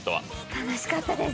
楽しかったです。